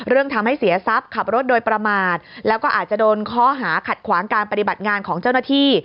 ทำให้เสียทรัพย์ขับรถโดยประมาทแล้วก็อาจจะโดนข้อหาขัดขวางการปฏิบัติงานของเจ้าหน้าที่